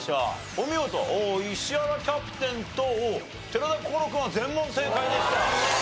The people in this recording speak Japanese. お見事石原キャプテンと寺田心君は全問正解でした。